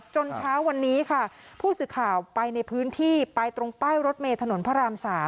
เช้าวันนี้ค่ะผู้สื่อข่าวไปในพื้นที่ไปตรงป้ายรถเมย์ถนนพระราม๓